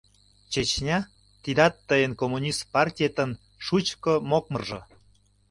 Чечня — тидат тыйын коммунист партиетын шучко мокмыржо.